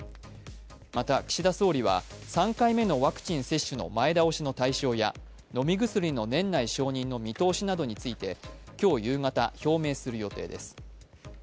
また岸田総理は３回目のワクチン接種の前倒しの対象や飲み薬の年内承認の見通しなどについて今日夕方、表明する予定です。